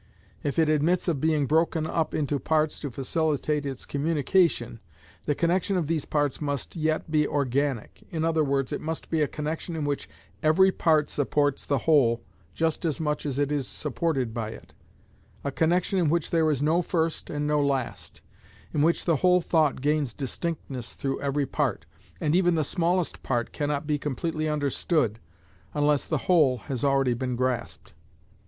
If it admits of being broken up into parts to facilitate its communication, the connection of these parts must yet be organic, i.e., it must be a connection in which every part supports the whole just as much as it is supported by it, a connection in which there is no first and no last, in which the whole thought gains distinctness through every part, and even the smallest part cannot be completely understood unless the whole has already been grasped.